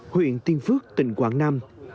huyện tinh phước tỉnh quảng nam